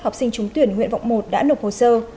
học sinh trúng tuyển nguyện vọng một đã nộp hồ sơ